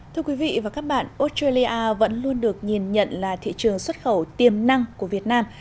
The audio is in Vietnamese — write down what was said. thưa quý vị và các bạn australia vẫn luôn được nhìn nhận là thị trường xuất khẩu tiềm năng của việt nam